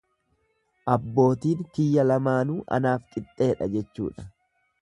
Abbootiin kiyya lamaanuu anaaf qixxeedha jechuudha.